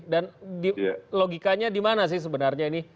dan logikanya dimana sih sebenarnya ini